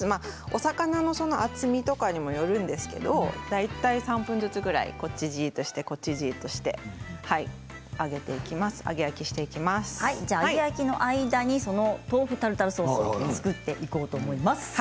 お魚の厚みとかにもよるんですけれど大体３分ずつぐらいこっちをじーっとしてこっちをじーっとして揚げ焼きの間に豆腐タルタルソースを作っていこうと思います。